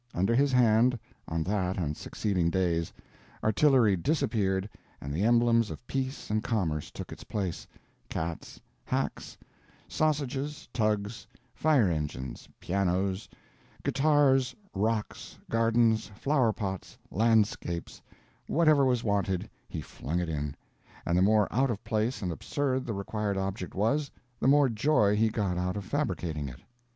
Under his hand, on that and succeeding days, artillery disappeared and the emblems of peace and commerce took its place—cats, hacks, sausages, tugs, fire engines, pianos, guitars, rocks, gardens, flower pots, landscapes—whatever was wanted, he flung it in; and the more out of place and absurd the required object was, the more joy he got out of fabricating it.